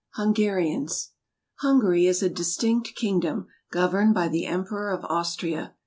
Hungarians . Hungary is a distinct kingdom, governed by the Emperor of Austria.